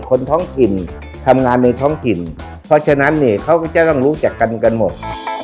คนท้องถิ่นทำงานในท้องถิ่นเพราะฉะนั้นเนี่ยเขาก็จะต้องรู้จักกันกันหมด